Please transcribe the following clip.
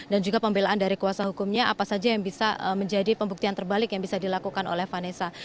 dan juga pembelaan dari kuasa hukumnya apa saja yang bisa menjadi pembuktian terbalik yang bisa dilakukan oleh vanessa